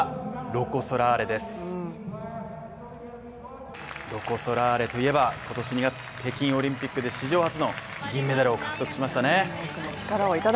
ロコ・ソラーレといえば今年２月、北京オリンピックで史上初の銀メダルを獲得しましたね。